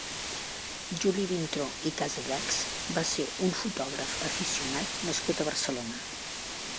Juli Vintró i Casallachs va ser un fotògraf aficionat nascut a Barcelona.